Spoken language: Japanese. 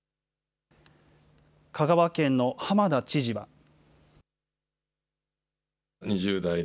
香川県の浜田知事は。